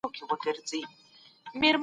تر دغې پېښي وروسته خلک ډېر بېغمه سول.